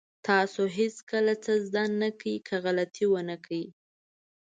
تاسو هېڅکله څه زده نه کړئ که غلطي ونه کړئ.